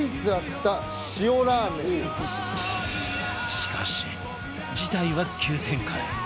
しかし事態は急展開！